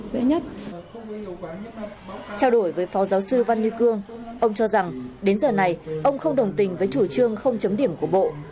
trao đổi với phó giáo sư văn như cương ông cho rằng đến giờ này ông không đồng tình với chủ trương không chấm điểm của bộ